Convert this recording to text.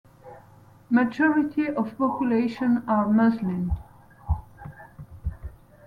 Majority of population are Muslims.